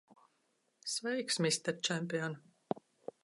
Sveiks, mister čempion!